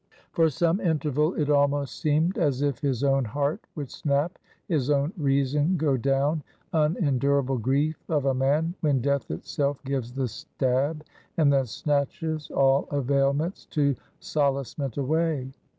For some interval it almost seemed as if his own heart would snap; his own reason go down. Unendurable grief of a man, when Death itself gives the stab, and then snatches all availments to solacement away.